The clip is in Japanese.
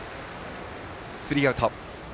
スリーアウト。